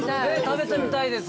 食べてみたいです。